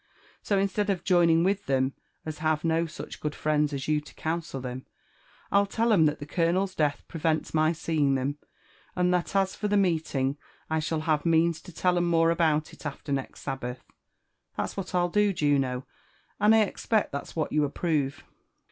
So, instead of joining with Ibem as have no such good friends as you to counsel them, I'll tell 'emaliaA' the colonel's death prevents any seeing them ; and that as for the meet ing, I shall have means to tell 'em more about it after next Sabba(h« That's what I'll do, Juno, — and I expect that's what you approve?"